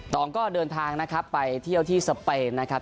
องก็เดินทางนะครับไปเที่ยวที่สเปนนะครับ